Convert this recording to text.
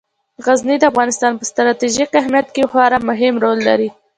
غزني د افغانستان په ستراتیژیک اهمیت کې خورا مهم رول لري.